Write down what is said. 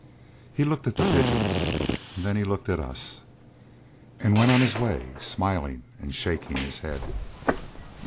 He looked at the pigeons and then he looked at us, and went his way smiling and shaking his head.